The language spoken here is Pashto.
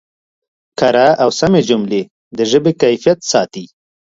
کره او سمې جملې د ژبې کیفیت ساتي.